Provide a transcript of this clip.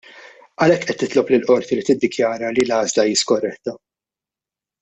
Għalhekk qed titlob lill-Qorti li tiddikjara li l-għażla hi skorretta.